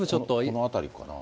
この辺りかな？